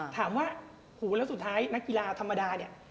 ถามว่าหูแล้วสุดท้ายนักกีฬาธรรมดาเนี่ย